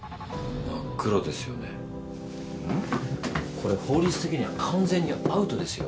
これ法律的には完全にアウトですよ。